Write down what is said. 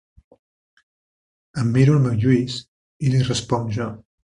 Em miro el meu Lluís i li responc jo.